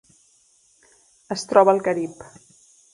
Es troba al Carib.